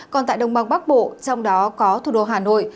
còn tại đồng bằng bắc bộ trong đó có thủ đô hà nội